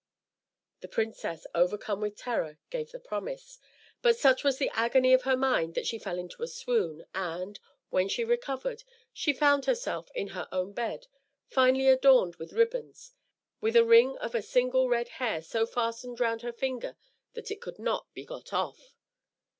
The princess, overcome with terror, gave the promise; but such was the agony of her mind, that she fell into a swoon, and, when she recovered, she found herself in her own bed, finely adorned with ribands, with a ring of a single red hair so fastened round her finger that it could not be got off.